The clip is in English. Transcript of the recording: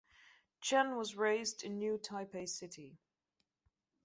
Chen was raised in New Taipei City.